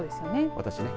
私ね。